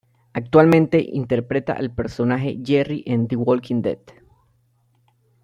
Actualmente interpreta al personaje Jerry en The Walking Dead.